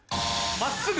真っすぐ「×」？